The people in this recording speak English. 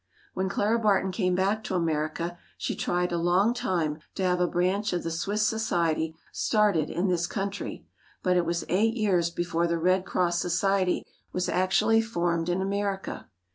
When Clara Barton came back to America, she tried a long time to have a branch of the Swiss society started in this country, but it was eight years before the Red Cross Society was actually formed in America.